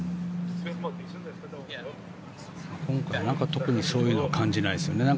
今回なんかは特にそういうのは感じないですよね。